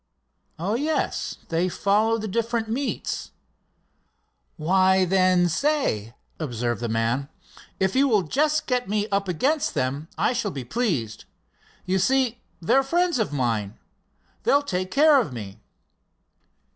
"Oh, yes, they follow the different meets." "Why, then, say," observed the man, "if you will just get me up against them, I shall be pleased. You see, they're friends of mine. They'll take care of me."